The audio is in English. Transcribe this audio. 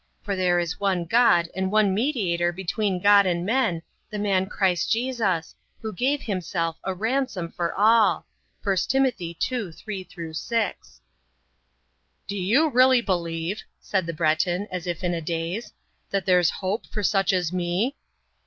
For there is one God, and one Mediator between God and men, the Man Christ Jesus; who gave Himself a ransom for all" (1 Tim. 2:3 6). "Do you really believe," said the Breton, as if in a daze, "that there's hope for such as me?"